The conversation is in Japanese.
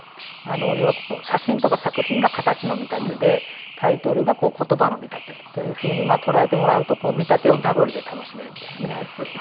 要は写真とか作品が形の見立てでタイトルが言葉の見立てというふうに捉えてもらうと見立てをダブルで楽しめるみたいなね。